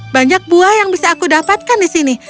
banyak buah yang bisa aku dapatkan di sini